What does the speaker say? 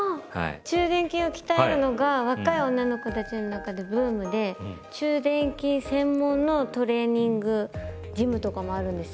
中臀筋を鍛えるのが若い女の子たちの中でブームで中臀筋専門のトレーニングジムとかもあるんですよ。